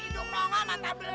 hidung longa mata belok